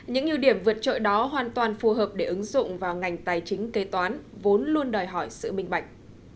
những ưu điểm vượt trội đó hoàn toàn phù hợp để ứng dụng vào ngành tài chính kế toán vốn luôn đòi hỏi sự minh bạch